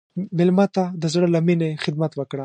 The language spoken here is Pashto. مېلمه ته د زړه له میني خدمت وکړه.